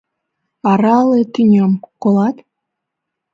Арале тӱням, колат?